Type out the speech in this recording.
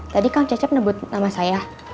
tadi kang cecep nebut nama saya